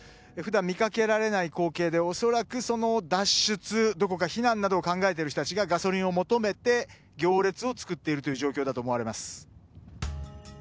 普段、見かけられない光景で恐らく脱出、どこかへ避難などを考えている人たちがガソリンを求めて行列を作っている状況だと思われます。